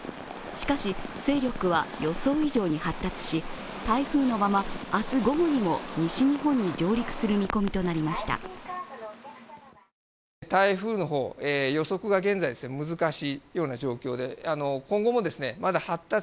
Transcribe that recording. しかし、勢力は予想以上に発達し、台風のまま明日午後にも西日本に上陸する見込みとなりました。